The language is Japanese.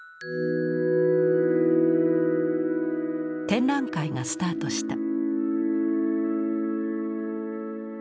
展覧会がスタートした。